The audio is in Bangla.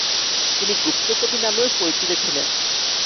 তিনি "গুপ্ত কবি" নামেও পরিচিত ছিলেন।